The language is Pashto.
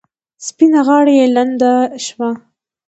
سپینه غاړه یې لنده شوه.